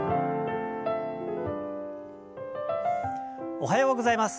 おはようございます。